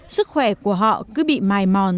sức khỏe của họ cứ bị mài mòn